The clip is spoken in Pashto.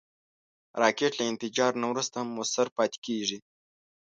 راکټ له انفجار نه وروسته هم مؤثر پاتې کېږي